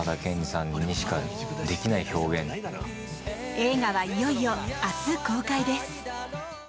映画はいよいよ明日公開です。